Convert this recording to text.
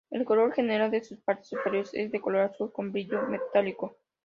El color general de sus partes superiores es de color azul con brillo metálico.